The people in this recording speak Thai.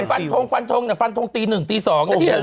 ฟันทงฟันทงฟันทงตีหนึ่งตีสอง